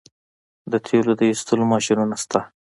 د تیلو د ایستلو ماشینونه شته.